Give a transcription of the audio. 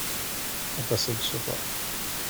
Aṭas i yeṣber.